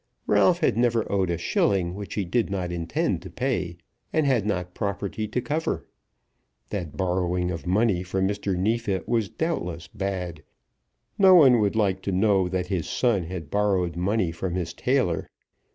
Ralph had never owed a shilling which he did not intend to pay, and had not property to cover. That borrowing of money from Mr. Neefit was doubtless bad. No one would like to know that his son had borrowed money from his tailor.